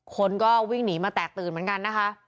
คนก็วิ่งหนีมาแตกตื่นเหมือนกันนะคะ